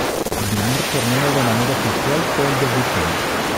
Su primer torneo de manera oficial fue el de Brisbane.